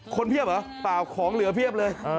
เพียบเหรอเปล่าของเหลือเพียบเลย